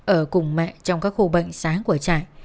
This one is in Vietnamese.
ở cùng mẹ trong các khu bệnh sáng của trại